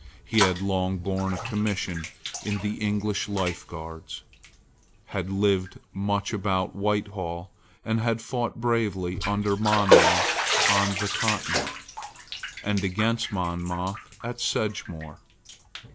He had long borne a commission in the English Life Guards, had lived much about Whitehall, and had fought bravely under Monmouth on the Continent, and against Monmouth at Sedgemoor.